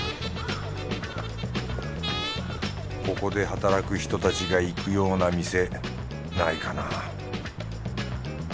ここで働く人たちが行くような店ないかな